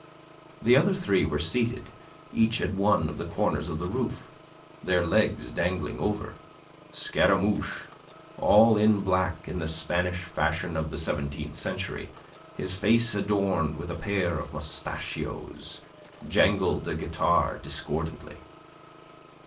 The other three were seated each at one of the corners of the roof, their legs dangling over. Scaramouche, all in black in the Spanish fashion of the seventeenth century, his face adorned with a pair of mostachios, jangled a guitar discordantly.